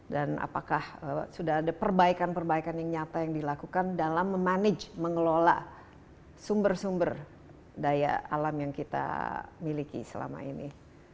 dan apakah sudah ada perbaikan perbaikan yang nyata yang dilakukan dalam memanage mengelola sumber sumber daya alam yang kita miliki selama ini